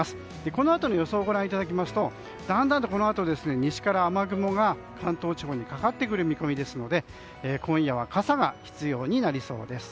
このあとの予想をご覧いただきますとだんだんとこのあと西から雨雲が関東地方にかかってくる見込みですので今夜は傘が必要になりそうです。